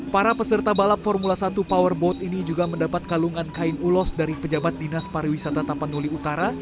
para peserta balap formula satu powerboat ini juga mendapat kalungan kain ulos dari pejabat dinas pariwisata tapanuli utara